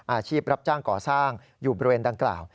อาชีพรับจ้างก่อสร้างอยู่บริเวณดังกล่าว